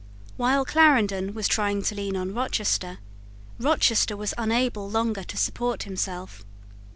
While Clarendon was trying to lean on Rochester, Rochester was unable longer to support himself.